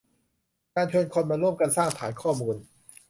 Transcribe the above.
การชวนคนมาร่วมกันสร้างฐานข้อมูล